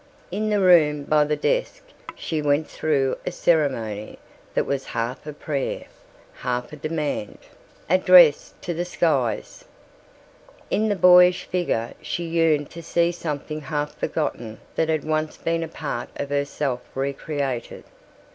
In the room by the desk she went through a ceremony that was half a prayer, half a demand, addressed to the skies. In the boyish figure she yearned to see something half forgotten that had once been a part of herself recreated.